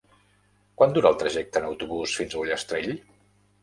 Quant dura el trajecte en autobús fins a Ullastrell?